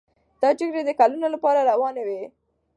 دا جګړې د کلونو لپاره روانې وې.